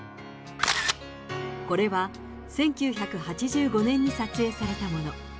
これは１９８５年に撮影されたもの。